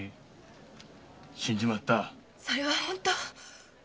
それは本当？